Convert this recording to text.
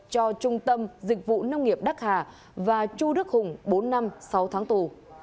cho trung tâm dịch vụ nông nghiệp đắc hà và chu đức hùng bốn năm sáu tháng tù